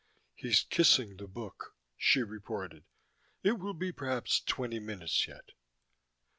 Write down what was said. "He's kissing the Book," she reported. "It will be perhaps twenty minutes yet."